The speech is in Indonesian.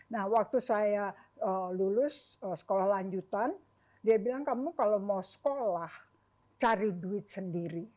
nah waktu saya lulus sekolah lanjutan dia bilang kamu kalau mau sekolah cari duit sendiri